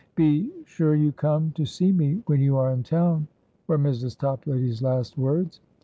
"Be sure you come to see me when you are in town," were Mrs. Toplady's last words.